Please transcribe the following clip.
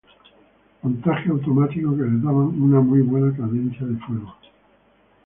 Montajes automáticos que les daban una muy buena cadencia de fuego.